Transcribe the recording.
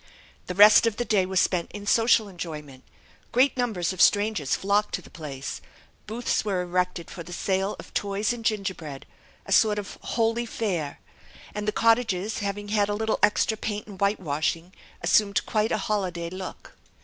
The rest of the day was spent in social enjoyment; great numbers of strangers flocked to the place; booths were erected for the sale of toys and gingerbread (a sort of 'Holy Fair'); and the cottages, having had a little extra paint and white washing, assumed quite a holiday look.